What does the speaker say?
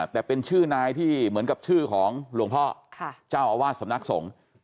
แต่เป็นชื่อนายที่เหมือนกับชื่อของหลวงพ่อเจ้าอาวาสสำนักสงฆ์